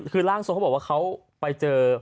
คือร่างทรงเขาบอกว่าเขาไปเจอ